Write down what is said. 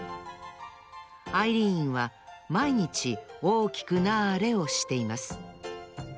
アイリーンはまいにち「大きくなれ」をしています